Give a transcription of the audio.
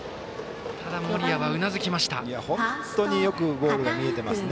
ただ、森谷はうなずきました。